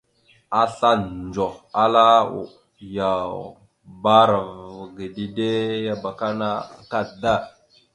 Asla ndzoh, ala: « Yaw, bbarav ge dede ya abakana akadda. ».